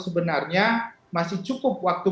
sebenarnya masih cukup waktu